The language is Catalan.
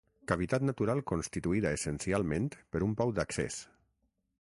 Cavitat natural constituïda essencialment per un pou d'accés.